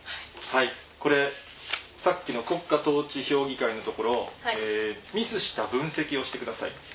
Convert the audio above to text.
これさっきの「国家統治評議会」のところミスした分析をしてください。